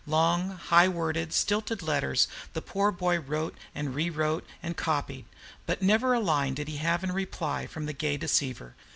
Long, high worded, stilted letters the poor boy wrote and rewrote and copied. But never a line did he have in reply from the gay deceiver.